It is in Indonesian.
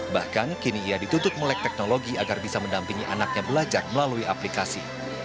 bahkan kini ia dituntut melek teknologi agar bisa mendampingi anaknya belajar melalui aplikasi